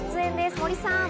森さん。